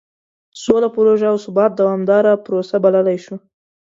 سوله پروژه او ثبات دومداره پروسه بللی شي.